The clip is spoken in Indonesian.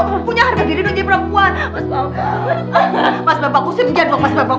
aku punya harga diri untuk jadi perempuan mas bambang mas bambang kusir itu jadwal mas bambang